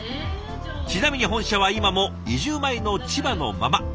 ちなみに本社は今も移住前の千葉のまま。